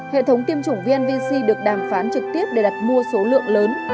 hệ thống tiêm chủng vnvc được đàm phán trực tiếp để đặt mua số lượng lớn